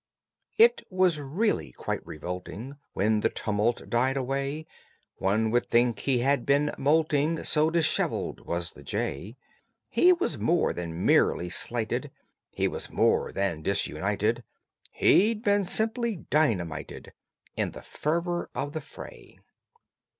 It was really quite revolting When the tumult died away, One would think he had been moulting So dishevelled was the jay; He was more than merely slighted, He was more than disunited, He'd been simply dynamited In the fervor of the fray.